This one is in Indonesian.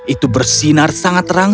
itu bersinar sangat terang